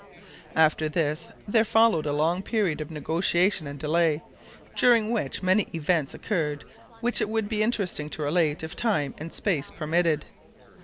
After this there followed a long period of negotiation and delay, during which many events occurred which it would be interesting to relate if time and space permitted.